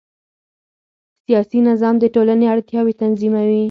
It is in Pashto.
سیاسي نظام د ټولنې اړتیاوې تنظیموي